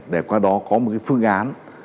để qua đó có một phương án